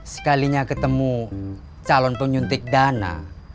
sekalinya ketemu calon penyuntik dana